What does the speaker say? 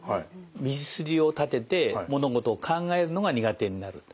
道筋を立てて物事を考えるのが苦手になると。